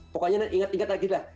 pokoknya ingat ingat lagi lah